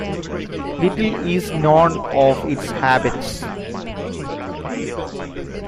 Little is known of its habits.